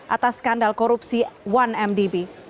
atas skandal korupsi satu mdb